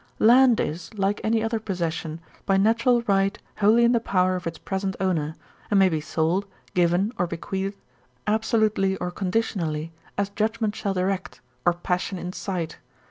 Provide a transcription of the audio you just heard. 'Land is, like any other possession, by natural right wholly in the power of its present owner; and may be sold, given, or bequeathed, absolutely or conditionally, as judgment shall direct, or passion incite.